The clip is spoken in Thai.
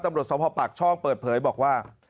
ตำรวจสมภาพปากช่องเปิดเผยบอกว่า